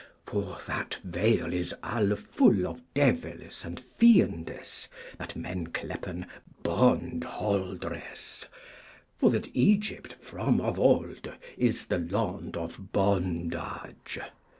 For that Vale is alle fulle of Develes and Fiendes that men clepen Bondholderes, for that Egypt from of olde is the Lond of Bondage.